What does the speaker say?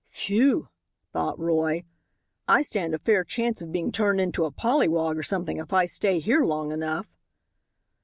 "Phew!" thought Roy. "I stand a fair chance of being turned into a pollywog or something if I stay here long enough."